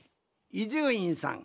伊集院さん